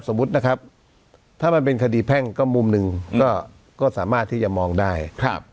สมมุตินะครับถ้ามันเป็นคดีแพ่งก็มุมหนึ่งก็สามารถที่จะมองได้ครับ